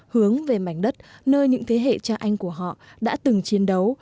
hướng về mảnh đất nơi những thế hệ cha anh của họ đã từng chiến đấu